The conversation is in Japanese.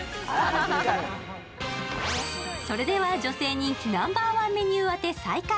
それでは女性人気ナンバーワンメニュー当て再開。